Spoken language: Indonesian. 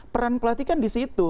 peran pelatih kan di situ